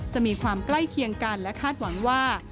มีความใกล้เคียงกันและคาดหวังว่า